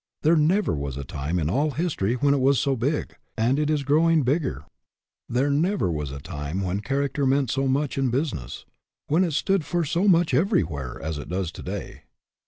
There never was a time in all history when it was so big, and it is growing bigger. There never was a time when charac ter meant so much in business ; when it stood for so much everywhere as it does to day.